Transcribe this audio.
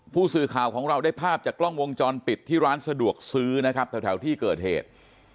ผู้สื่อข่าวของเราได้ภาพจากกล้องวงจรปิดที่ร้านสะดวกซื้อนะครับแถวที่เกิดเหตุ